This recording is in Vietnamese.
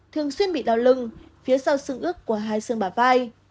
thường xuyên bị đau lưng phía sau xương ước của hai xương bả vai